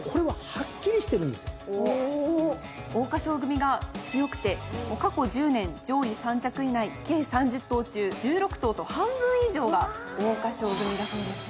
桜花賞組が強くて過去１０年上位３着以内計３０頭中１６頭と半分以上が桜花賞組だそうです。